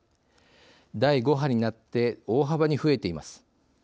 第５波になって大幅に増えています。